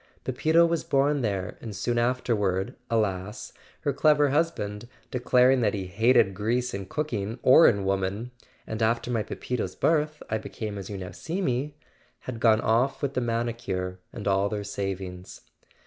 Pepito was born there and soon afterward, alas, her clever husband, declaring that he "hated grease in cooking or in woman" ("and after my Pepito's birth I became as you now see me"), had gone off with the manicure and all their savings.